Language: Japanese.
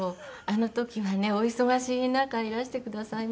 あの時はねお忙しい中いらしてくださいまして。